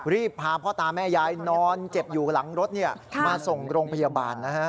รีบพาพ่อตาแม่ยายนอนเจ็บอยู่หลังรถมาส่งโรงพยาบาลนะฮะ